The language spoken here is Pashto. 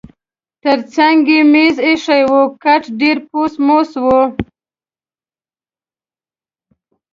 ترڅنګ یې مېز اییښی و، کټ ډېر پوس موس و.